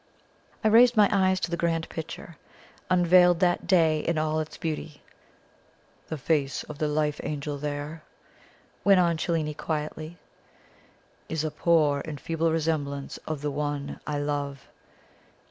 I raised my eyes to the grand picture, unveiled that day in all its beauty. "The face of the Life Angel there," went on Cellini quietly, "is a poor and feeble resemblance of the One I love.